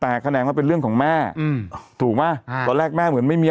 แต่แขนงว่าเป็นเรื่องของแม่อืมถูกไหมอ่าตอนแรกแม่เหมือนไม่มี